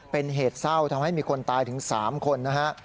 เป็นเหตุเศร้าทำให้มีคนตายถึง๓คนนะฮะ